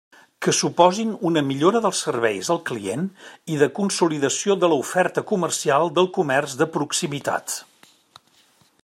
Que suposin una millora dels serveis al client i de consolidació de l'oferta comercial del comerç de proximitat.